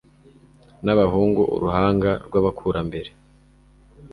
Nabahungu uruhanga rwabakurambere